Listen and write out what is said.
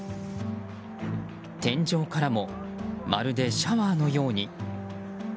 天井からもまるでシャワーのように。